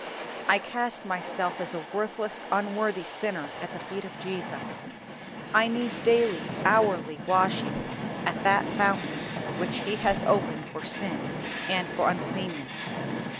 I cast myself as a worthless unworthy sinner at the feet of Jesus. I need daily, hourly washing at that fountain which He has opened for sin and for uncleanness.